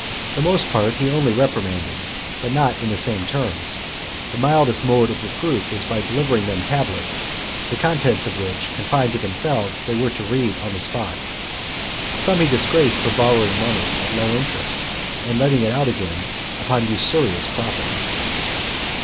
The most part he only reprimanded, but not in the same terms. The mildest mode of reproof was by delivering them tablets , the contents of which, confined to themselves, they were to read on the spot. Some he disgraced for borrowing money at low interest, and letting it out again upon usurious profit.